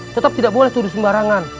tetap tidak boleh turun sembarangan